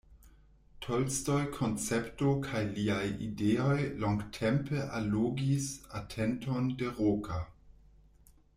Tolstoj koncepto kaj liaj ideoj longtempe allogis atenton de Roka.